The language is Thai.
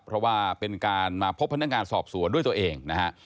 เพราะว่าเป็นการมาพบพนักงานสอบสวนด้วยตัวเองนะฮะ